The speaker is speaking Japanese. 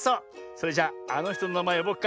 それじゃあのひとのなまえよぼうか。